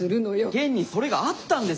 現にそれがあったんですって。